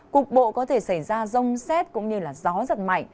cục bộ có thể xảy ra rông xét cũng như gió giật mạnh